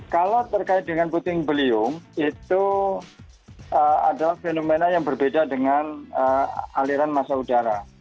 kalau terkait dengan puting beliung itu adalah fenomena yang berbeda dengan aliran masa udara